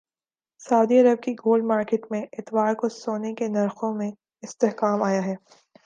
سعودی عرب کی gold market میں اتوار کو سونے کے نرخوں میں استحکام آیا ہے